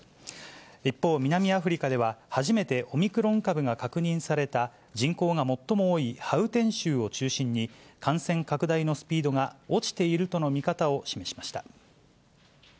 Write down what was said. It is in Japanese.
一方、南アフリカでは、初めてオミクロン株が確認された、人口が最も多いハウテン州を中心に、感染拡大のスピードが落ちているとの見方を示しました。